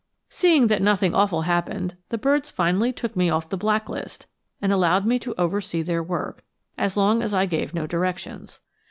Seeing that nothing awful happened, the birds finally took me off the black list and allowed me to oversee their work, as long as I gave no directions.